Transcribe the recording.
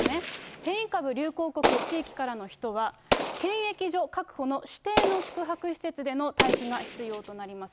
変異株流行国・地域からの人は、検疫所確保の指定の宿泊施設での待機が必要となります。